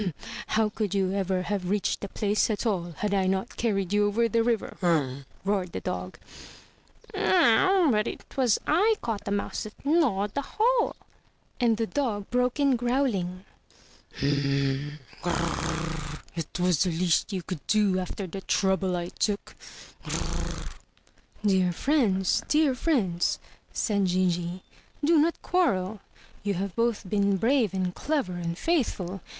"How could you ever have reached the place at all had I not carried you over the river?" roared the dog. "But 'twas I caught the mouse that gnawed the hole —!" And the dog broke in growling, "It was the least you could do after the trouble I took." 90f4|t T. CRA>^E~ 345 MY BOOK HOUSE "Dear friends! dear friends!" said Gigi, "do not quarrel! You have both been brave and clever and faithful.